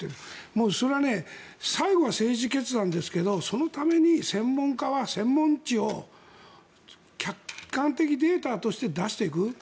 もうそれは最後は政治決断ですけどそのために専門家は専門知を客観的データとして出していく。